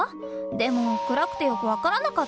でも暗くてよく分からなかったの。